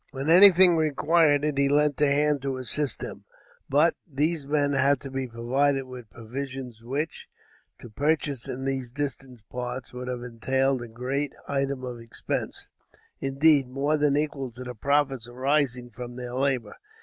When anything required it he lent a hand to assist them; but, these men had to be provided with provisions which, to purchase in those distant parts, would have entailed a great item of expense; indeed, more than equal to the profits arising from their labor.